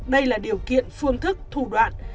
đây là điều kiện phương thức thủ đoạn